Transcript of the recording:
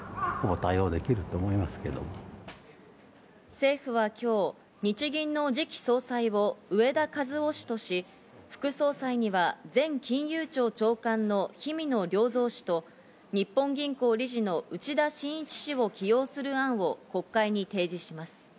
政府は今日、日銀の次期総裁を植田和男氏として、副総裁には前金融庁長官の氷見野良三氏と日本銀行理事の内田眞一氏を起用する案を国会に提示します。